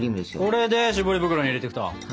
これでしぼり袋に入れていくと！